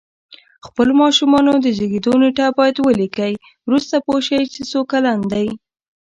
خپل ماشومانو د زیږېدو نېټه باید ولیکئ وروسته پوه شی چې څو کلن دی